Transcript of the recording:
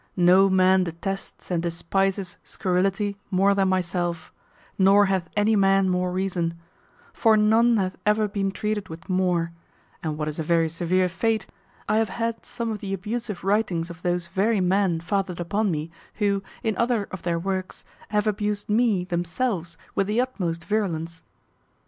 No man detests and despises scurrility more than myself; nor hath any man more reason; for none hath ever been treated with more; and what is a very severe fate, I have had some of the abusive writings of those very men fathered upon me, who, in other of their works, have abused me themselves with the utmost virulence.